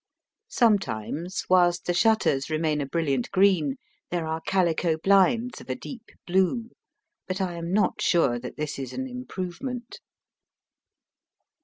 Sometimes whilst the shutters remain a brilliant green there are calico blinds of a deep blue. But I am not sure that this is an improvement.